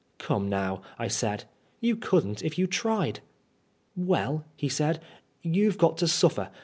" Come now," I said, " you couldn't if you tried." "Well," he said, "youVe got to suffer.